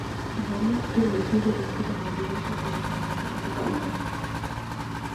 Señoría, quero dicirlle que me sinto moi orgulloso do funcionamento deste Parlamento.